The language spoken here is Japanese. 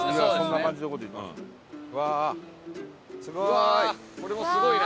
うわこれもすごいな。